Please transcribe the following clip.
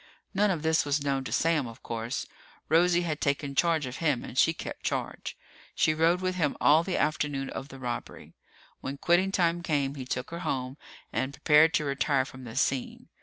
None of this was known to Sam, of course. Rosie had taken charge of him and she kept charge. She rode with him all the afternoon of the robbery. When quitting time came, he took her home and prepared to retire from the scene.